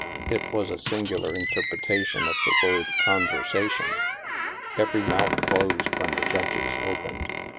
It was a singular interpretation of the word " con versation." Every mouth closed when the Judge's opened.